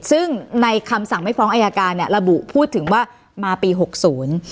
ซึ่งในคำสั่งไม่ฟ้องอายการเนี่ยระบุพูดถึงว่ามาปีหกศูนย์